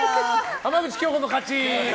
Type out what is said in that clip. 浜口京子の勝ち！